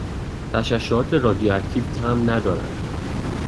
تششعات رادیواکتیو طعم ندارند